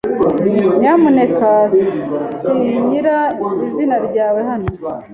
Nyamuneka sinyira izina ryawe hano.